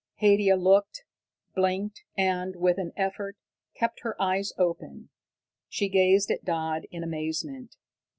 Haidia looked, blinked and, with an effort kept her eyes open. She gazed at Dodd in amazement.